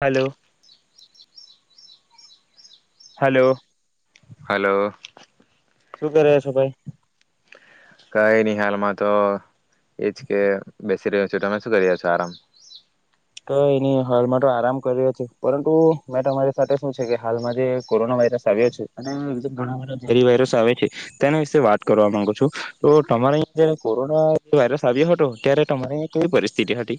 Hello. Hello. Hello. શું કરે છો ભાઈ? કઈ નની હાલમાં તો એજ કે બેસી રહ્યો છું તમે શું કરી્યા છો? આરામ. તો એની હાલમાં તો આરામ કરીયો છે, પરંતુ મેં તમારી સાથે શું છે કે હાલમાં જે કોરોના વાયરસ આવ્યો છે, વાયરસ આવે છે તેના વિશે વાત કરવા માંગુ છું, તો તમારે અ જયારે કોરોના વાયરસ આવ્યો હતો ત્યારે તમારી અ કેવી પરિસ્થિતિ હતી?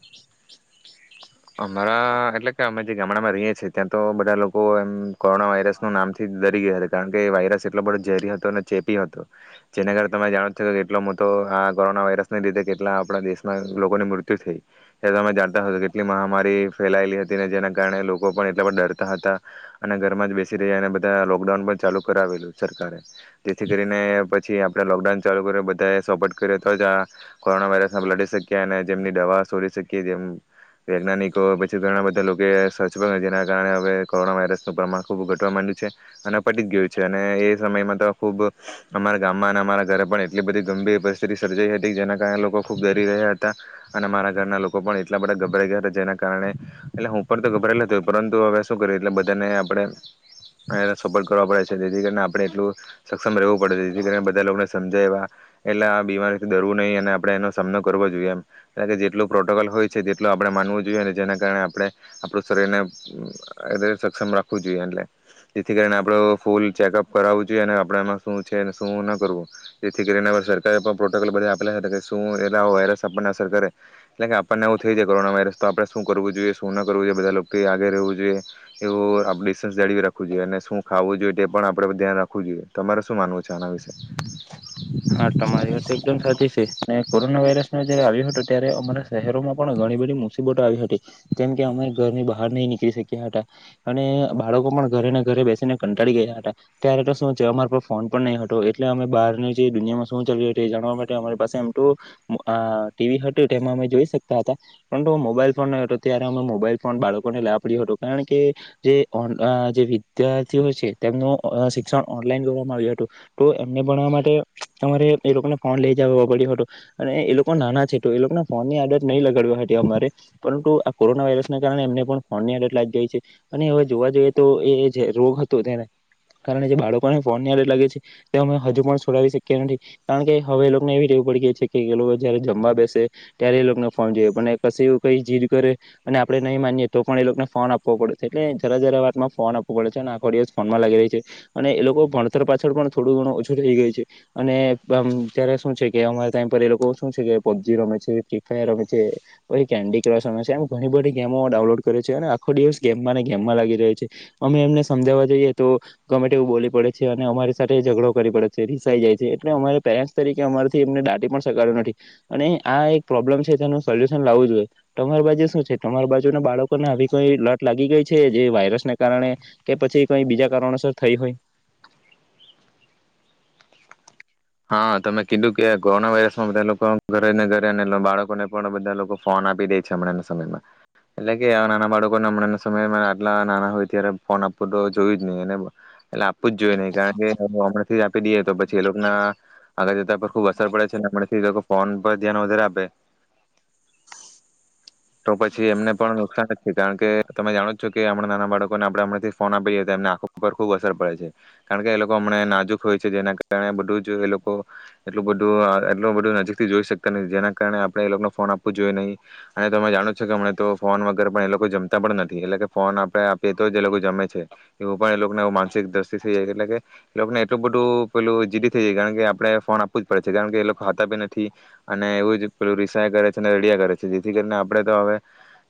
[inaudible] અમારા એટલે કે અમે જે ગામડામાં રહીએ છીએ, ત્યાં તો બધા લોકો એમ કોરોના વાયરસ ન નામથી ડરી ગયા હતા, કારણ કે એ વાયરસ એટલો બધો ઝેરી હતો અને ચેપી હતો, જેના કાર તમે જાણો છ કે કેટલો મોટો આ કોરોના વાયરસને લીધે કેટલા આપણા દેશના લોકોની મૃત્યુ થઈ, એ તમે જાણતા હશે કે. લી મહામારી ફેલાેલી હતી ને જેના કારણે લોકો પણ એટલા બ ડરતા હતા, અને ઘરમાં જ બેસી રહ્યા અને બધા લોકડાઉન પણ ચાલુ કરાવેલું સરકારે જેથી કરીને પછી આપણે લોકડાઉન ચાલુ કર બધા એ સપોર્ટ કર તો જ આ કોરોના વાયરસ લડી શકીએ અને, જેમની દવા શોરી શકીએ જેમ. વૈજ્ઞાનિકો પછી ઘણા બધા લોકોએ સર્ચ પણ જેના કારણે હવે કોરોના વાયરસનું પ્રમાણ ખૂબ ઘટવા માંડ્યું છે. અને પટી જ ગયું છે. અને એ સમયમાં તો ખૂબ અમારા ગામમાં અને અમારા ઘરે પણ એટલી બધી ગંભીર પરિસ્થિતિ સર્જાઈ હતી જેના કારણે લોકો ખૂબ ગરી રહ્યા હતા, અને અરા ઘરના લોકો પણ એટલા બધા ગભરાઈ ગયા. જે કારણે, એટલે હું ઉપર તો ગબરાયત પરંતુ હવે શું કર એટલે બધાને આપડે સપોર્ટ કરવા પડે છે જેથી કરીને આપણે એટલું, સક્ષમ રવું પડે જેથી બધા લોકોને સમજાય એવા, એટલા બીમારીથી દરવું નહી અને આપડણે એનો સામનો કરવો જોઈએ એમ, કાર કે જેટલો પ્રોટોકોલ હોય છે તેટ આપણે માનવું જોઈએ, અને જેના કારણે આપણે આપણું શરીર ને સક્ષમ રાખવું જોઈએ, એટલે જેથી કરીને આપ ફૂલ ચેકઅપ કરાવવું જોઈએ, અને આપણેમાં શું છે શું ના કરવું જેથી કરીને સરકારે પણ પ્રોટોકોલ બધા આપેલા શું એ વાયરસ આપણને સરકારે એટલે કે આપણને એવું થઈ જાય કોરોના વાયરસ તો આપણે શું કરવું જોઈએ શું ન કરવું જોઈએ બધા લોકો આગે રહેવું જોઈએ, એવું આપણે ડિસ્ટન્સ જાળવી રાખવું જોઈએ, અને શું ખાવવું જોઈએ તે પણ આપણે ધ્યાન રાખવું જોઈએ, તમારે શું માનવું છે, આના વિશે? હા તમારી વા તો એકદમ સાચી છે, ને કોરોના વાયરસ મે જયારે આવ્યો હતો ત્યારે અમારા શહેરોમાં પણ ઘણી બધી મુસીબતો આવી હતી, જેમ કે અમે ઘરની બહાર નહીં નીકળી શક્યા હતા અને બાળકો પણ ઘરેને ઘરે બેસીને કંટાળી ગયા હતા. ત્યારે તો શું છે અમાર પાહ ફોન પણ નહીં હતો એટલે અમે બહારની જે દુનિયામાં શું ચાલ્યું હતું એ જાણવા માટે અમારી પાસે એમ તો અહ આ ટીવી હતું તેમાં અમે જોઈ શકતા હતા. પરંતુ મોબાઈલ ફોન નહીં હતો ત્યારે અમે મોબાઈલ ફોન બાળકોને લાભ [unintelligible] હતો કારણ કે જે ઓન અહ જે વિદ્યાર્થીઓ છે તેમનું અહ શિક્ષણ ઓનલાઈન કરવામાં આવ્યું હતું, તો એમને ભણવા માટે તમારે એ લોકોને ફોન લઈ જવો પડ્યો હતો, અને એ એ લોકો નાના છે તો એ લોકોના ફોન ની આદત નહીં લગાડવાની હતી અમારે, પરંતુ આ કોરોના વાયરસને કારણે એમને પણ ફોન ની આદત લાગી ગઈ છે, અને હવે જોવા જઈએ તો એ જે રોગ હતો તેને કારણે જે બાળકોને ફોન ની આદત લાગી છે તે અમે હજુ પણ છોડાવી શક કેમ દી કારણ કે હવે એ લોકને એવી ટેવ પડી ગઈ છે કે એ લોકો જયારે જમવા બેસે ત્યારે એ લોકને ફોન જોઈએ, પણ એ કશે કંઈ જીદ કરે અને આપણે નહીં માનીએ તો પણ એ લોકને ફોન આપવો પડશે, એટલે જરા જરા વાતમાં ફોન આપવો પડે છે, અને આખો દીવસ ફોનમાં જ લાગી રહી છે, અને એ લોકો ભણતર પાછળ પણ થોડું ઘણું ઓછું જ રહી ગયુ છે. અને પમ ત્યારે શું છે કે અમારા ટાઈમ પર એ લોકો શું છે કે પબજી રમે છે, ફ્રી ફાયર રમે છે, પછી કેન્ડી ક્રશ રમે છે એમ ઘણી બધી ગેમો ડાઉનલોડ કરે છે. અને આખો દિવસ ગેમમાં ને ગેમમાં લાગી રહે છે. અમે એમને સમજાવવા જઈએ તો ગમે તેવું બોલી પડે છે અને અમારી સાથે ઝઘડો કરી પડે છે, રીસાઈ જાય છે. એટલે અમારી પેરેન્ટસ તરીકે અમારાથી એમને દાટી પણ શકાતું નથી અને આ એક પ્રોબ્લેમ છે તેનું સોલ્યુશન લાવવું જોઈએ તમારી બાજુ શું છે તમારી બાજુ ના બાળકોને આવી કંઈ લત લાગી ગઈ છે જે વાયરસને કારણે કે પછી કંઈ બીજા કારણોસર થઈ હોય? હા તમે કીધું કે કોરોના વાયરસ માં બધા લોકો ઘરે ને ઘરે એટલે બાળકોને પણ બધા લોકો ફોન આપી દે છે હમણાંના સમયમાં, એટલે કે આ નાના બાળકોને હમણાં સમયમાં આટલા નાના હોય ત્યારે ફોન આપવું તો જોયું [unintelligible] અને એટલે આપવું જ જોઈએ નહી કારણ કે હમણાં થી જ આપી દઈએ તો પછી એ લોકના આગળ જતા પર ખુબ અસર પડે છે હમણાથી એ લોકો ફોન પર ધ્યાન વધારે આપે તો પછી એમને પણ નુકસાન જ છે કારણ કે તમે જાણો છો કે હમણાં નાના બાળકોને આપણે હમણાંથી જ ફોન આપીએ તો એમના આંખો પર ખુબ અસર પડે છે કારણ કે એ લોકો હમણે નાજુક હોય છે જેના કારણે બધું જ જે એ લોકો એટલું બધું અહ એટલું બધું નજીક થી જોઈ શકતા નથી જેના કારણે આપણે એ લોકને ફોન આપવું જોઈએ નહીં અને તમે જાણો છો કે હમણાં તો ફોન વગર પણ એ લોકો જમતા પણ નથી એટલે કે ફોન આપણે આપીએ તો જ એ લોકો જમે છે, એવું પણ એ લોકને આવું માનસિક દ્રષ્ટિ થઈ જાય છે એટલે કે એ લોકને એટલું બધું પેલું જીદ કારણ કે આપણે ફોન આપવું જ પડે છે કારણ કે એ લોક ખાતા બી નથી અને એવું જ પેલું રિસાય કરે છે ને રડ્યા કરે છે જેથી કરીને આપણે તો હવે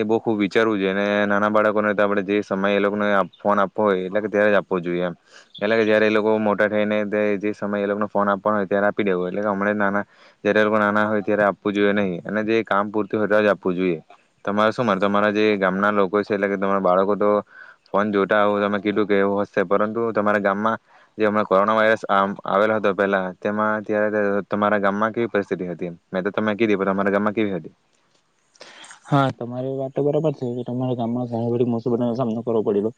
એ બહુ ખુબ વિચારવું જોઈએ અને નાના બાળકોને તો આપણે જે સમય એ લોકોને આપ ફોન આપવો હોય એટલે ત્યારે જ આપવો જોઈએ એમ એટલે કે જયારે એ લોકો મોટા થઈને તે સમય એ લોકોને ફોન આપવાનો હોય ત્યારે આપી દેવો જોઈ એટલે હમણે નાના જયારે એ લોકો નાના હોય ત્યારે આપવું જોઈએ નહીં અને જે કામ પૂરતું ત્યારે જ આપવું જોઈએ તમારે શું માન તમારા જે ગામના લોકો છે એટલે કે તમારા બાળકો તો ફોન જોતા હોય તમે કીધું કે એવું હશે પરંતુ તમારા ગામમાં જે હમણાં કોરોના વાયરસ આ આવેલો હતો પેલા તેમાં ત્યારે તમારા ગામમાં કેવી પરિસ્થિતિ હતી મેં તો તમે કીધી પણ તમારા ગામમાં કેવી હતી? હા તમારી વાત તો બરાબર સે કે તમારા ગામમાં ઘણી બધી મુસીબત નો સામનો કરવો પડ્યો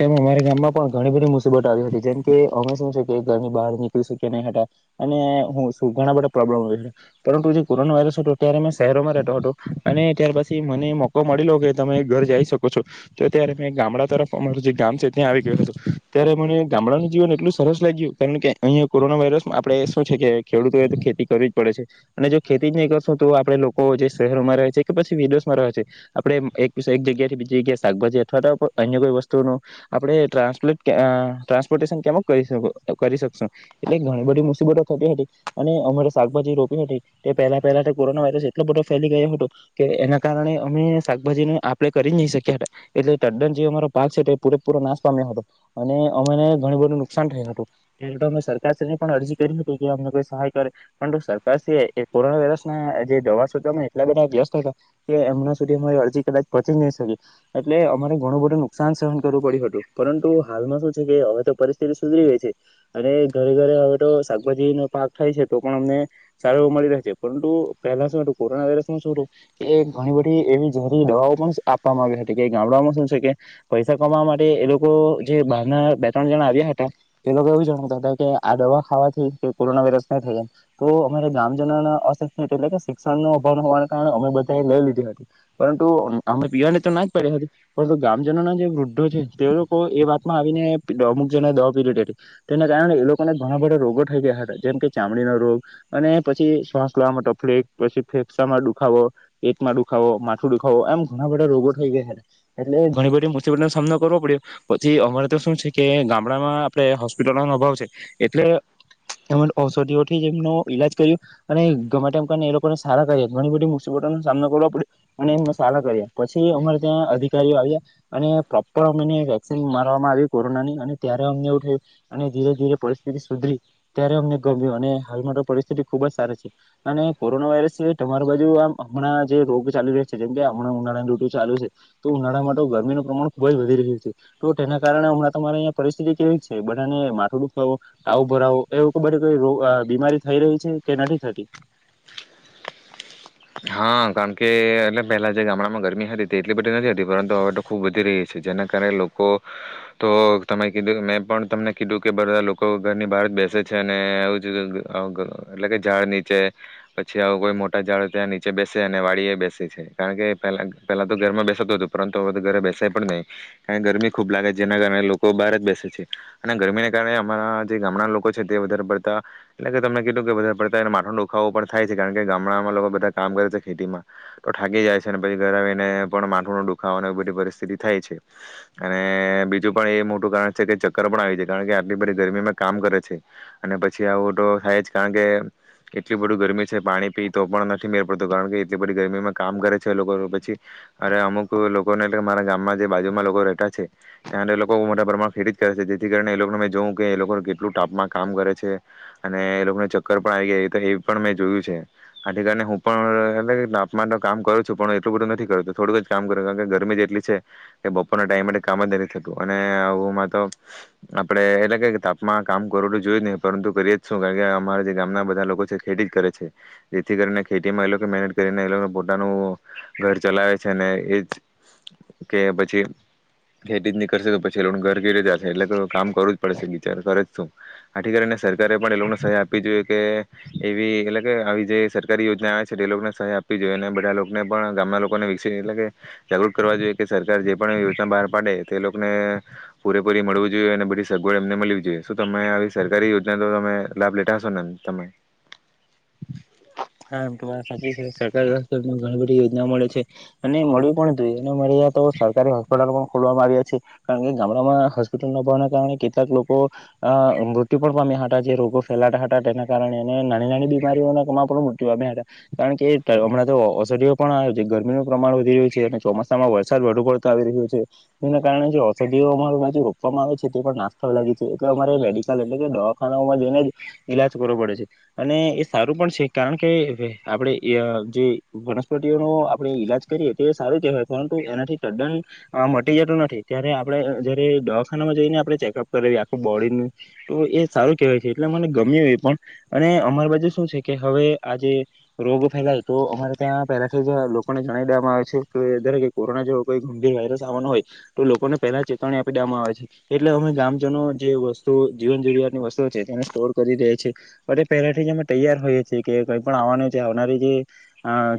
તેમ અમારા ગામમાં પણ ઘણી બધી મુસીબતો આવી હતી જેમ કે અમે શું છે કે ઘરની બહાર નીકળી શક્યા નહી હતા અને હું શું ઘણા બધા પ્રોબ્લેમ આવે છે પરંતુ જે કોરોના વાયરસ હતો ત્યારે અમે શહેરોમાં રહે તો હતો અને ત્યાર પછી મને મોકો મળીલો કે તમે ઘર જઈ શકો છો તો ત્યારે મેં ગામડાં તરફ અમારું જે ગામ છે ત્યાં આવી ગયો હતો ત્યારે મને ગામડાનું જીવન એટલું સરસ લાગ્યું કારણ કે અહીંયાં કોરોના વાયરસ આપણે શું છે કે ખેડૂતોએ તો ખેતી કરવી જ પડે છે, અને જો ખેતી નહીં કરશો તો આપણે લોકો જે શહેરોમાં છે કે પછી વિદેશમાં રહે છે આપણે એક જગ્યાએથી બીજી જગ્યા શાકભાજી અથવા તો અન્ય કોઈ વસ્તુઓનું આપણે ટ્રાન્સપલેટ કા અહ ટ્રાન્સપોર્ટેશન કેમો કરી શકો કરી શકશો એટલે ઘણી બધી મુસીબતો થતી હતી અને અમારે શાકભાજી રોપી હતી તે પહેલા પહેલા તો કોરોના વાયરસ એટલો બધો ફેલી ગયો હતો કે એના કારણે અમે શાકભાજીની આપ-લે કરી જ નહી શક્યા હતા એટલે તદ્દન જે અમારો પાક છે તે પૂરેપૂરો નાશ પામ્યો હતો અને અમારે ઘણું બધું નુકસાન થયું હતું એ તો અમે સરકાર સહાયની પણ અરજી કરી હતી કે તેથી અમને કોઈ સહાય કરે પરંતુ સરકાર સિવાય કે કોરોના વાયરસને જે દવા તો તમે એટલા બધા વ્યસ્ત હતા કે એમના સુધી અમારી અરજી કદાચ પહોંચી જ નહીં શકી એટલે અમારે ઘણું બધું નુકસાન સહન કરવું પડ્યું હતું પરંતુ હાલમાં શું છે કે હવે તો પરિસ્થિતિ સુધરી ગઈ છે અને ઘરે ઘરે હવે તો શાકભાજીની પાક થાય છે તો પણ અમને સારું એવું મળી રહે છે પરંતુ પહેલા શું હતું કોરોના વાયરસમં શું હતું એ ઘણી બધી એવી જેરીલી દવાઓ પણ આપવામાં આવી હતી કે ગામડામાં શું છે કે પૈસા કમાવા માટે એ લોકો જે બહાર ના બે ત્રણ જણા આવ્યા હતા એ લોકો એવું જણાવતા હતા કે આ દવા ખાવાથી કે કોરોના વાયરસ ન થયા તો અમારે ગામ જનાના અશિક્ષિત એટલે કે શિ ક્ષણ નો અભાવ હોવાને કારણે અમે બધાએ લઈ લીધી હતી પરંતુ અમે પીવાની તો ના જ પાડી હતી પરંતુ ગ્રામજનોના જે વૃદ્ધો છે તે લોકો એ વાતમાં આવીને અમુક જણાએ દવા પી લીધી હતી તેને કારણે એ લોકોને ઘણા બધા રોગો થઈ ગયા હતા જેમ કે ચામડીનો રોગ અને પછી શ્વાસ લેવામાં તફલીક પછી ફેફસામાં દુખાવો, પેટમાં દુખાવો, માથું દુખાવો એમ ઘણા બધા રોગો થઈ ગયા હતા એટલે ઘણી બધી મુસીબત નો સામનો કરવો પડ્યો પછી અમારે તો શું છે કે ગામડામાં આપણે હોસ્પિટલોનો અભાવ છે એટલે એ ઔષધિઓથી એમનો ઈલાજ કર્યું અને ગમે તેમ કરીને એ લોક પર સારા કર્યા ઘણી બધી મુસીબતો નો સામનો કરવો પડ્યો અને એમણે સારા કર્યા પછી અમારે ત્યાં અધિકારીઓ આવ્યા અને પ્રોપર અમને વેક્સિન મારવામાં આવી કોરોના ની અને ત્યારે અમને એવું થયું અને ધીરેધીરે પરિસ્થિતિ સ સુધરી ત્યારે અમને ગમ્યું અને હાલમાં તો પરિસ્થિતિ ખુબજ સારી છે, અને કોરોના વાયરસ સિવાય તમારી બાજુ આમ હમણાં જે રોગ ચાલી રહ્યા છે, જેમ કે હમણાં ઉનાળાની ડ્યુટી ચાલુ છે, તો ઉનાળામાં તો ગરમીનું પ્રમાણ ખુબ જ વધી રહ્યું છે, તો તેના કારણે હમણાં તમારે અહીંયા પરિસ્થિતિ કેવીક છે બધાને માથું દુખાવો, તાવ ભરાવો એવું તો બધી કંઈ રોગ અહ બીમારી થઈ રહી છે, કે નહીં થતી. હા કારણ કે એટલે પહેલા જે ગામડામાં ગરમી હતી તે એટલી બધી નથી. હતી પરંતુ હવે તો ખુબ વધી રહી છે, જેના કારણે લોકો તો તમે કીધું મેં પણ તમને કીધું કે બધા લોકો ઘરની બહાર જ બેસે છે, અને [unintelligible] એટલે કે ઝાડ નીચે પછી આવું કોઈ મોટા ઝાડ ઝાડ ની ચે બેસે અને વાડી એ બેસે છે, કારણ કે પહેલા પહેલા તો ઘરમાં બેસાતું હતું પરંતુ હવે ઘરે બેસાય પણ નહીં અહિંયા ગરમી ખૂબ લાગે છે જેના કારણે લોકો બહાર જ બેસે છે, અને ગરમીને કારણે અમારા જે ગામડાના લોકો છે તે વધારે પડતા એટલે કે તમે કીધું કે વધારે પડતા એને માથાનો દુખાવો પણ થાય છે, કારણ કે ગામડામાં લોકો બધા કામ કરે છે ખેતીમાં તો થાકી જાય છે, અને પછી ઘર આવીને પણ માથું નો દુખાવો અને એ બધી પરિસ્થિતિ થાય છે, અને બીજું પણ એ મોટું કારણ છે કે ચક્કર પણ આવી જાય કારણ કે આટલી બધી ગરમીમાં કામ કરે છે, અને પછી આવું તો થાય જ કારણ કે એટલી બધું ગરમી છે, પાણી પી તો પણ કારણ કે એટલી બધી ગરમીમાં કામ કરે છે, એ લોકો પછી અને અમુક લોકોને એટલે મારા ગામમાં જે બાજુમાં લોકો રહેતા છે ત્યાંના લોકો બહું મોટા પ્રમાણમાં ખેતી જ કરે છે જેથી કરીને એ લોકોને મે જોવું કે એ લોકો કેટલું તાપમાં કામ કરે છે, અને એ લોકને ચક્કર પણ આવી ગયા તો એ પણ મેં જોયું છે, આથી કારણે હું પણ હવે એ તાપમાં તો કામ કરું છું, પણ એટલું બધું નથી, કરતો થોડુંક જ કામ કરે કારણ કે ગરમી જ એટલી છે કે બપોરના ટાઈમ માટે કામ જ નથી થતું અને આવુંમાં તો આપણે એટલે કે તાપમાં કામ કરું તો જોયું જ નહીં પરંતુ કરીએ જ શું કારણ કે અમારા જે ગામના બધા લોકો છે ખેતી જ કરે છે, જેથી કરીને ખેતીમાં એ લોકો મહેનત કરીને એ લોક પોતાનું ઘર ચલાવે છે, અને એજ કે પછી ખેતી જ ની કરશે કે પછી એ લોક ઘર કેરે જાશે એટલે તો કામ કરવું જ પડે છે, બિચારા કરે જ શું આથી કરીને સરકારે પણ એ લોકને સહાય આપવી જોઈએ કે એવી એટલે કે આવી જે સર કારી યોજના આવે છે, એ લોકોને સહાય આપવી જોઈએ અને બધાને લોકને પણ ગામના લોકોને વિષય એટલે કે જાગૃત કરવા જોઈએ, કે સરકાર જે પણ યોજના બહાર પાડે તે લોકને પૂરેપૂરી મળવું જોઈએ અને બધી સગવડ એમને મલવી જોઈએ શું તમે આવી સરકારી યોજના તો તમે લાભ લેતા હશો, ને તમે હા, એમ તો વાત સાચી છે, સરકારી હોસ્પિટલમાં ઘણી બધી યોજના મળે છે અને મળ્યું પણ હતું અને અમારી યાં તો સરકારી હોસ્પિટલો પણ ખોલવામાં આવ્યા છે, કારણ કે ગામડામાં હોસ્પિટલ ન જવાના કારણે કેટલાક લોકો અહ મૃત્યુ પણ પામ્યા હતા, જે રોગો ફેલાતા હતા તેના કારણે અને નાની, નાની બીમારીઓના નો પ્રમાણ હતા, કારણ કે હમણાં તો ઔષધિઓ પણ આ જે ગરમીનું પ્રમાણ વધી રહ્યું છે. અને ચોમાસામાં વરસાદ વધુ પડતો આવી રહ્યો છે એના કારણે જે ઔષધિઓ અમાર બાજું જે રોપવામાં આવે છે તે પણ નાશ થવા લાગી છે એટલે અમારે મેડિકલ એટલે કે દવાખાઓમાં જઈને જ ઈલાજ કરવો પડે છે, અને એ સારું પણ છે. કારણ કે આપણે અહ જે વનસ્પતિઓનો આપણુ ઈલાજ કરીએ તે એ સારું કહેવાય, પરંતુ એનાથી તદ્દન મટી જતું નથી ત્યારે આપણે જયારે દવાખાનામાં જઈને આપણે ચેકઅપ કરાવીએ આખું બોડીનું તો એ સારું કહેવાય છે, એટલે મને ગમ્યું એ પણ અને અમારી બાજુ શું છે કે હવે, આ જે રોગ ફેલાય તો અમારે ત્યાં પહેલાથી જ આ લોકોને જણાવી દેવામાં આવે છે, કે દરેકે કોરોના જેવો કોઈ ગંભીર વાયરસ આવવાનો હોય તો લોકોને પહેલા ચેતવણી આપી દેવામાં આવે છે એટલે અમે ગ્રામજનો જે વસ્તુ જીવન જરૂરિયાતની વસ્તુઓ છે, તેને સ્ટોર કરી દે છીએ અને પહેલેથી જ અમે તૈયાર રહી. છે, કે કંઈ પણ આવવાનું છે, આવનારી જે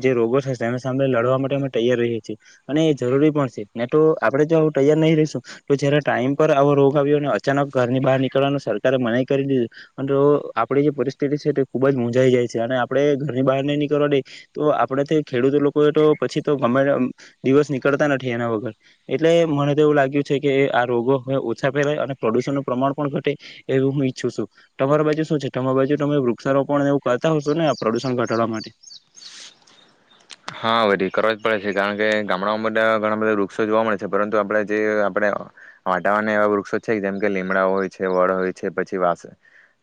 જે રોગો છે તેને સામે લડવા માટે અમે તૈયાર રહીએ છીએ અને એ જરૂરી પણ છેને, તો આપણે જો તૈયાર નહી રહીશું તો જયારે ટાઈમ પર આવો રોગ આવ્યો અને અચાનક ઘરની બહાર નીકળવાનો સરકારે મનાય કરી દીધી અને તો આપણી જે પરિસ્થિતિ છે તે ખુબજ મૂંઝાય જઈ જાય છે, અને આપણે ઘરની બહાર નહી નીકળવા દે તો આપણે ત્યાં ખેડૂતો લોકો, એ તો પછી તો ગમે એમ દિવસ નીકળતા નથી એના વગર એટલે મને તો એવું લાગ્યું છે કે આ રોગો હવે ઓછા ફેલાય અને પ્રદુષણનું પ્રમાણ પણ ઘટે એવું હું ઈચ્છું છું, તમાર બાજુ શું છે, તમાર બાજુ તો તમે વૃક્ષારોપણ એવું કરતા હો છો, ને આ પ્રદુષણ ઘટાડવા માટે? હા, વડીલ કરવા જ પડે છે કારણ કે ગામડાઓમાં બધા ઘણા બધા વૃક્ષો જોવા મળે છે, પરંતુ આપણા જે આપણે વાટાવાને એવા વૃક્ષો છે જેમ કે લીમડા હોય છે, વડ હોય છે, પછી વાંસ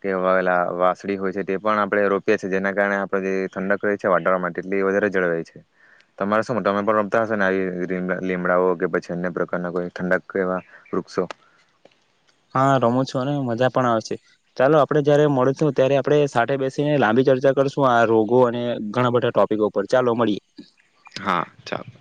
કે વાવેલા વાંસળી હોય છે, તે પણ આપણે રોપીએ છીએ જેના કારણે આપણે જે ઠંડક રહે છે, વાતાવરણમાં તેટલી વધારે જળવાય છે. તમારે શું તમે પણ રોપતા હશો ને આવી લી લીમડાઓ કે પછી અન્ય પ્રકારના કોઈ ઠંડક એવા વૃક્ષો? હા, રોમું છું, ને મજા પણ આવે છે. ચાલો આપણે જયારે મળશું. ત્યારે આપણે સાથે બેસીને લાંબી ચર્ચા કરશું આ રોગો અને ઘણા બધા ટોપિકો ઉપર ચાલો મળીએ. હા, ચાલો.